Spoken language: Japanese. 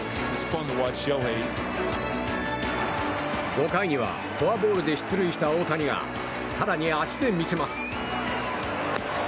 ５回にはフォアボールで出塁した大谷が更に、足で見せます。